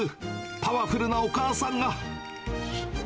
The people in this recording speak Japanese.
パワフルなお母さんが。